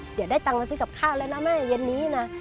เดี๋ยวได้ตังค์มาซื้อกับข้าวแล้วนะแม่เย็นนี้นะ